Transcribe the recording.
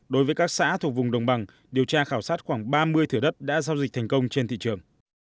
đối với các xã thuộc vùng đồng bằng điều tra khảo sát khoảng ba mươi thửa đất đã giao dịch thành công trên thị trường